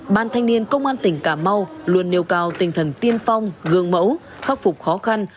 ban thanh niên công an tỉnh cà mau luôn nêu cao tinh thần tiên phong gương mẫu khắc phục khó khăn